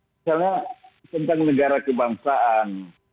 misalnya tentang negara kebangsaan